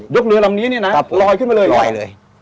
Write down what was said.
ยกเรือลำนี้เนี่ยนะลอยขึ้นมาเลย